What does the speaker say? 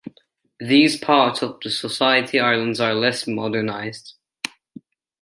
These parts of the Society Islands are less modernized.